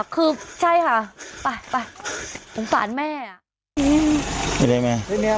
คือใช่ค่ะไปไปสงสารแม่อ่ะ